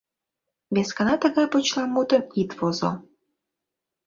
Вескана тыгай почеламутым ит возо.